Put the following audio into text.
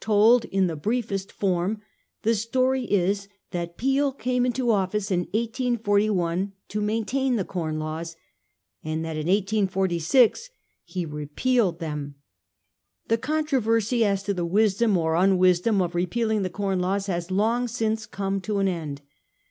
Told in the briefest form, the story is that Peel came into office in 1841 to maintain the Com Laws, and that in 1846 he repealed them. The controversy as to the wisdom or unwisdom, of repealing the Com Laws has long since come to an end.